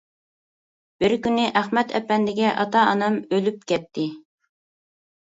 بىر كۈنى ئەخمەت ئەپەندىگە ئاتا-ئانام ئۆلۈپ كەتتى.